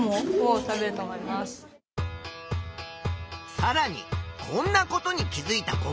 さらにこんなことに気づいた子も。